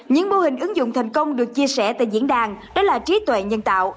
những mô hình ứng dụng thành công được chia sẻ tại diễn đàn đó là trí tuệ nhân tạo